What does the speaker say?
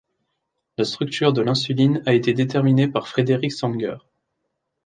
La structure de l'insuline a été déterminée par Frederick Sanger.